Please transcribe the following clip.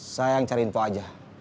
saya yang cari info aja